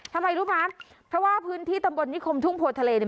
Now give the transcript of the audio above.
ทำไมรู้ไหมเพราะว่าพื้นที่ตำบลนิคมทุ่งโพทะเลเนี่ย